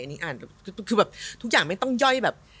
อันนี้อ่านก็คือแบบทุกอย่างไม่ต้องย่อยแบบ